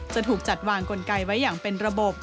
จะถูกจัดวางกลไกไว้อย่างเป็นระบบ